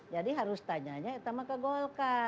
jadi harus tanyanya sama ke golkar